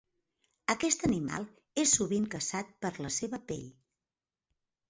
Aquest animal és sovint caçat per la seva pell.